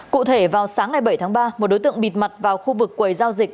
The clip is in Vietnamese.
cụ thể vào sáng ngày bảy tháng ba một đối tượng bịt mặt vào khu vực quầy giao dịch